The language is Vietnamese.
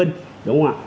đúng không ạ